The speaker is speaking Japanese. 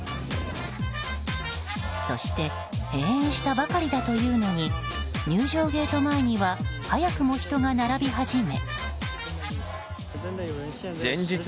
そして閉園したばかりだというのに入場ゲート前には早くも人が並び始め。